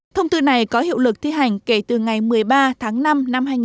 thông tư này có hiệu lực thi hành kể từ ngày một mươi ba tháng năm năm hai nghìn một mươi chín